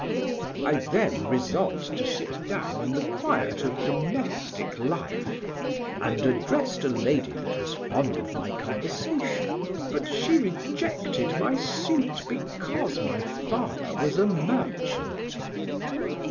I then resolved to sit down in the quiet of domestic life, and addressed a lady that was fond of my conversation, but rejected my suit because my father was a merchant.